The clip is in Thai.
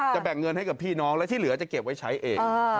แบ่งเงินให้กับพี่น้องแล้วที่เหลือจะเก็บไว้ใช้เอง